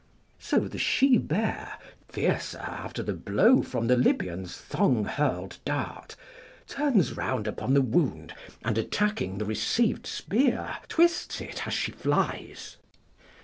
["So the she bear, fiercer after the blow from the Lybian's thong hurled dart, turns round upon the wound, and attacking the received spear, twists it, as she flies."